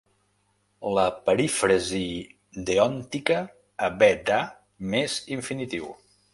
La perífrasi deòntica 'haver de' més infinitiu.